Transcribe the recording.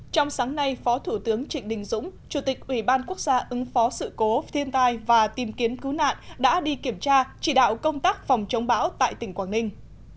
trong sáng nay phó thủ tướng trịnh đình dũng chủ tịch ủy ban quốc gia ứng phó sự cố thiên tai và tìm kiếm cứu nạn đã đi kiểm tra chỉ đạo công tác phòng chống bão tại tỉnh quảng ninh